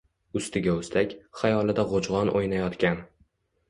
Ustiga ustak, xayolida g’ujg’on o’ynayotgan.